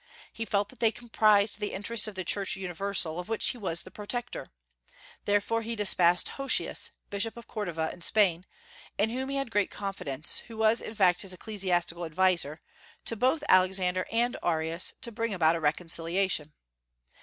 He felt that they compromised the interests of the Church universal, of which he was the protector. Therefore he despatched Hosius, Bishop of Cordova, in Spain, in whom he had great confidence, who was in fact his ecclesiastical adviser, to both Alexander and Arius, to bring about a reconciliation.